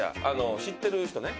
知ってる人ね。